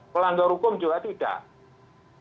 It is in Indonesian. melanggar hukum juga tidak